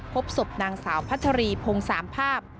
พบศพนางสาวพัชรีพงสามภาพ